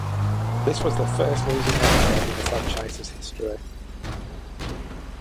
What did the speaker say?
This was the first losing record in the franchise's history.